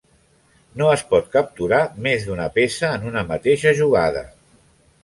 No es pot capturar més d'una peça en una mateixa jugada.